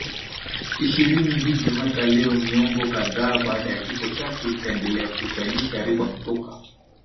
ishirini hivyo hata leo miongo kadhaa baada ya kifo chake itaendelea kuzalisha riba kutoka